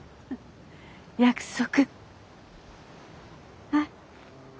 約束。